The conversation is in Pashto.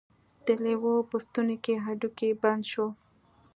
د لیوه په ستوني کې هډوکی بند شو.